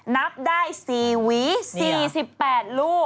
นับได้๔หวี๔๘ลูก